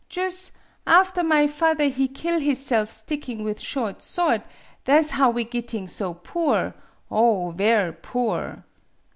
Jus', after my father he kill hisself sticking with short sword, tha' 's how we gitting so poor oh, ver' poor